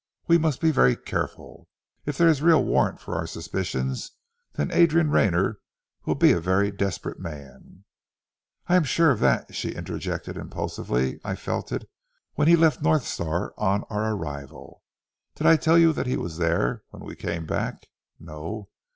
"We must be very careful. If there is real warrant for our suspicions, then Adrian Rayner will be a very desperate man " "I am sure of that," she interjected impulsively. "I felt it, when he left North Star on our arrival. Did I tell you that he was there when we came back? No!